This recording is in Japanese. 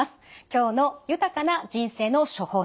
今日の「豊かな人生の処方せん」